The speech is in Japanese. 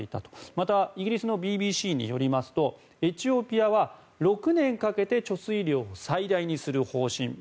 またイギリスのＢＢＣによりますとエチオピアは、６年かけて貯水量を最大にする方針。